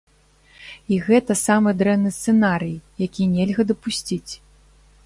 І гэта самы дрэнны сцэнарый, які нельга дапусціць.